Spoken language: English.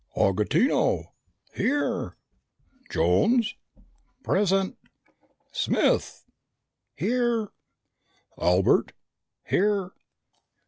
"Augutino!" "Here!" "Jones! "Present!" "Smith!" "Here!" "Albert!" "Here!"